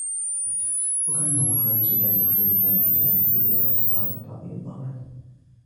وَكَانَ هُوَ الْخَامِسُ الْهَالِكُ الَّذِي قَالَ فِيهِ عَلِيُّ بْنُ أَبِي طَالِبٍ رَضِيَ اللَّهُ عَنْهُ